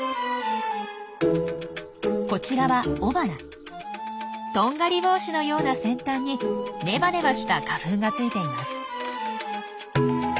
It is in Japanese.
こちらはとんがり帽子のような先端にネバネバした花粉がついています。